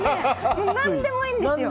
何でもいいんですよ。